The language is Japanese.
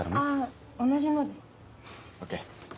あ同じので。